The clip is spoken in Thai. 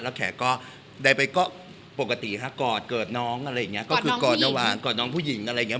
แขกก็ได้ไปก็ปกติฮะกอดเกิดน้องอะไรอย่างเงี้ยก็คือกอดระหว่างกอดน้องผู้หญิงอะไรอย่างเง